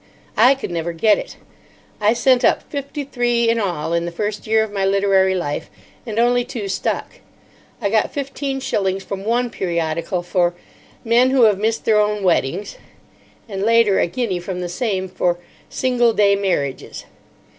I could never get it. I sent up fifty three in all in the first year of my literary life, and only two stuck. I got fifteen shillings from one periodical for "Men Who Have Missed Their Own Weddings," and, later, a guinea from the same for "Single Day Marriages."